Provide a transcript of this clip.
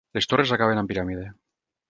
Les torres acaben amb piràmide.